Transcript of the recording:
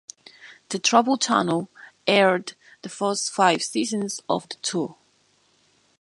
The Travel Channel aired the first five seasons of the Tour.